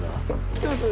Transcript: きてます？